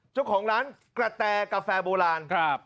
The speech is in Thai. เจ้าของร้านกระแตกาแฟโบราณครับ